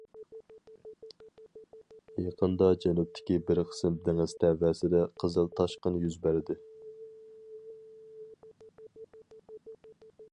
يېقىندا جەنۇبتىكى بىر قىسىم دېڭىز تەۋەسىدە قىزىل تاشقىن يۈز بەردى.